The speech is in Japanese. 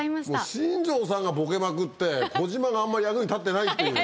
新庄さんがボケまくって児嶋があんまり役に立ってない。